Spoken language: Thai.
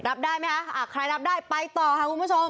รับได้ไหมคะใครรับได้ไปต่อค่ะคุณผู้ชม